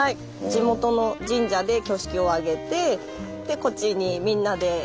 地元の神社で挙式をあげてでこっちにみんなで。